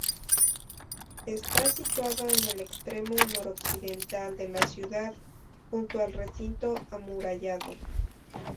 Está situado en el extremo noroccidental de la ciudad, junto al recinto amurallado.